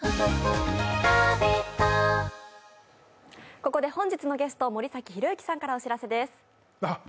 ここで本日のゲスト、森崎博之さんからお知らせです。